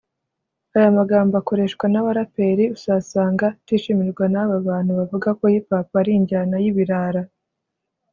Aya magambo akoreshwa n’abaraperi usasanga atishimirwa n’aba bantu bavuga ko hip hop ari injyana y’ibirara